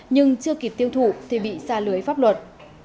nhưng chưa kịp tiêu thụ thì bị xa lưới pháp luật